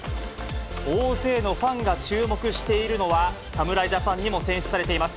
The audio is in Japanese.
大勢のファンが注目しているのは、侍ジャパンにも選出されています